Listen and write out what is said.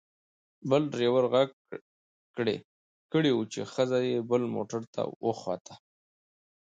بل ډریور غږ کړی و چې ښځه یې بل موټر ته وخوته.